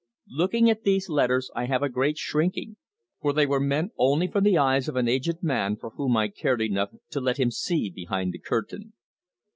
Looking at these letters I have a great shrinking, for they were meant only for the eyes of an aged man for whom I cared enough to let him see behind the curtain.